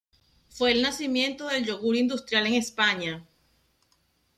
Fue el nacimiento del yogur industrial en España.